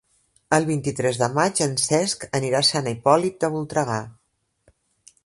El vint-i-tres de maig en Cesc anirà a Sant Hipòlit de Voltregà.